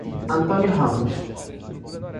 Antônio Ramos